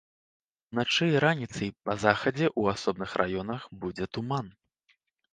Уначы і раніцай па захадзе ў асобных раёнах будзе туман.